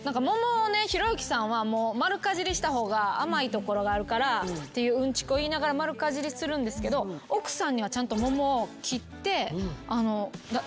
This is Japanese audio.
ひろゆきさんは丸かじりした方が甘いところがあるからっていううんちくを言いながら丸かじりするんですけど奥さんにはちゃんと桃を切って差し出してあげるんですって。